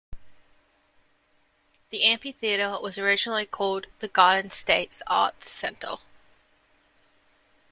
The amphitheatre was originally called the Garden State Arts Center.